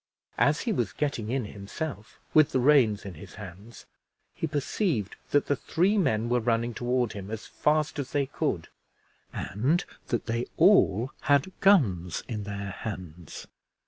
As he was getting in himself, with the reins in his hands, he perceived that the three men were running toward him as fast as they could, and that they all had guns in their hands.